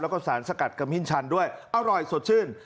แล้วก็สารสกัดขมิ้นชันด้วยอร่อยสดชื่น